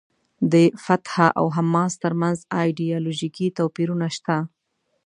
د فتح او حماس ترمنځ ایډیالوژیکي توپیرونه شته.